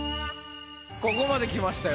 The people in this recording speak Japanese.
ここまできましたよ。